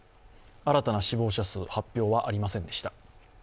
新たな死亡者数の発表はありませんでした。